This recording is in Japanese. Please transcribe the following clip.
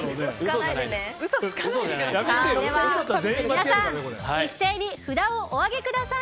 皆さん、一斉に札をお上げください。